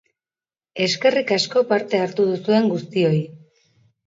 Eskerrik asko parte hartu duzuen guztioi!